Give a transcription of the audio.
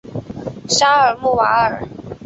沙尔穆瓦尔。